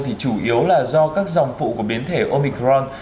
thì chủ yếu là do các dòng phụ của biến thể omicron